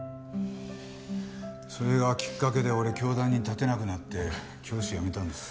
それがきっかけで俺教壇に立てなくなって教師辞めたんです。